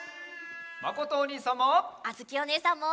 まことおにいさんも！